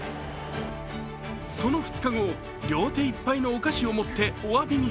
その２日後、両手いっぱいのお菓子を持っておわびに。